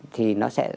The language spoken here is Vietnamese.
thì nó sẽ lấn át